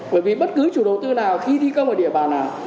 bởi vì bất cứ chủ đầu tư nào khi thi công ở địa bàn nào